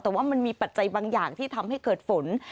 แต่ว่ามันมีปัจจัยบางอย่างที่ทำให้เกิดฝน